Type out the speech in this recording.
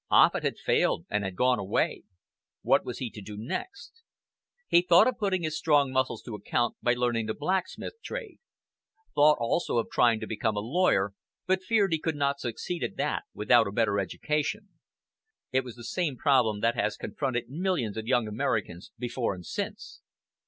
Offut had failed and had gone away. What was he to do next? He thought of putting his strong muscles to account by learning the blacksmith trade; thought also of trying to become a lawyer, but feared he could not succeed at that without a better education. It was the same problem that has confronted millions of young Americans before and since.